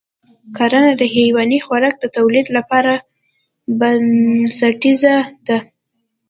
کرنه د حیواني خوراک د تولید لپاره بنسټیزه ده.